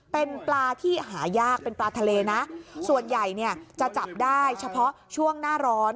เป็นปลาที่หายากเป็นปลาทะเลนะส่วนใหญ่เนี่ยจะจับได้เฉพาะช่วงหน้าร้อน